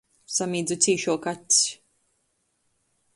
Samīdzu cīšuok acs.